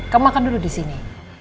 kamu makan dulu disini